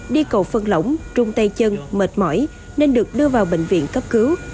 đi cầu phân lỏng trung tay chân mệt mỏi nên được đưa vào bệnh viện cấp cứu